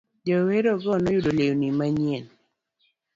Jowergo ne oyudo lewni manyien.